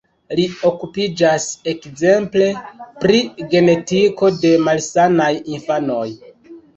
Li okupiĝas ekzemple pri genetiko de malsanaj infanoj.